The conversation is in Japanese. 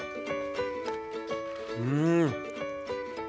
うん！